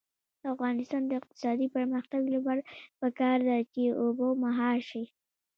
د افغانستان د اقتصادي پرمختګ لپاره پکار ده چې اوبه مهار شي.